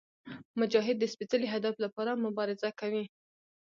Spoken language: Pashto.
مجاهد د سپېڅلي هدف لپاره مبارزه کوي.